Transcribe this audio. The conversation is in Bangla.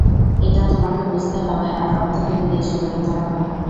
এটা তোমাকে বুঝতে হবে আর ওর থেকে দূরে চলে যেতে হবে।